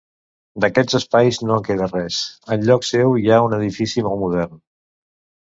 D'aquests espais no en queda res; enlloc seu hi ha un edifici molt modern.